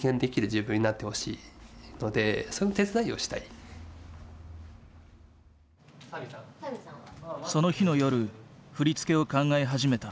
その日の夜振り付けを考え始めた。